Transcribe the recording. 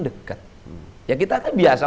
dekat ya kita kan biasa